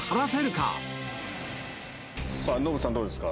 さあ、ノブさん、どうですか。